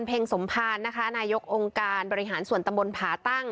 เพลงสมภารนะคะนายกองค์การบริหารส่วนตำบลผาตั้ง